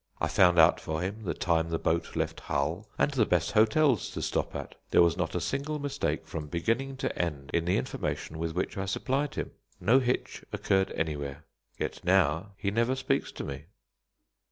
I found out for him the time the boat left Hull and the best hotels to stop at. There was not a single mistake from beginning to end in the information with which I supplied him; no hitch occurred anywhere; yet now he never speaks to me.